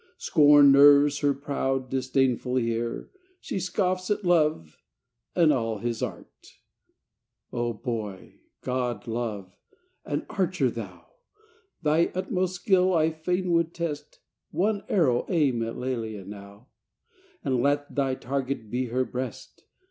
Scorn nerves her proud, disdainful heart ! She scoffs at Love and all his art ! Oh, boy god, Love ! An archer thou ! Thy utmost skill I fain would test ; One arrow aim at Lelia now, And let thy target be her breast